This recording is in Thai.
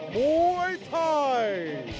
มวยไทย